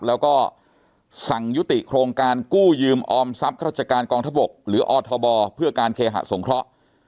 แล้วก็สั่งยุติโครงการกู้ยืมออมทรัพย์ราชการกองทบกหรืออทบเพื่อการเคหะสงเคราะห์